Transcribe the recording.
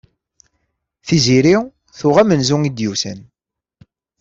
Tiziri tuɣ amenzu i d-yusan.